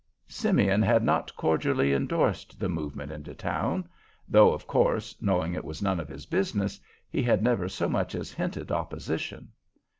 Simeon had not cordially indorsed the movement into town, though, of course, knowing it was none of his business, he had never so much as hinted opposition.